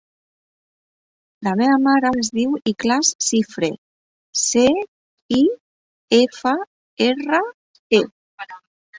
La meva mare es diu Ikhlas Cifre: ce, i, efa, erra, e.